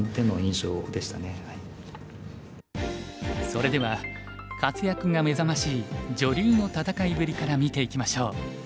それでは活躍が目覚ましい女流の戦いぶりから見ていきましょう。